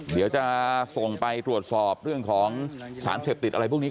เดี๋ยวจะส่งไปตรวจสอบสารเซ็บติดอะไรพวกนี้